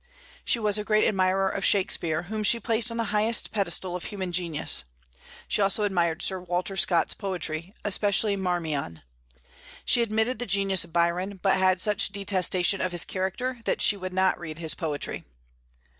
She was a great admirer of Shakspeare, whom she placed on the highest pedestal of human genius. She also admired Sir Walter Scott's poetry, especially "Marmion." She admitted the genius of Byron, but had such detestation of his character that she would not read his poetry.